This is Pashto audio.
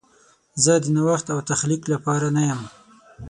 زه د نوښت او تخلیق لپاره نه یم.